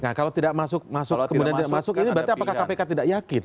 nah kalau tidak masuk masuk kemudian dia masuk ini berarti apakah kpk tidak yakin